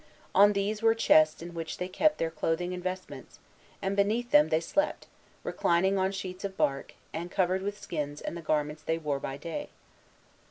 On these were chests in which they kept their clothing and vestments, and beneath them they slept, reclining on sheets of bark, and covered with skins and the garments they wore by day.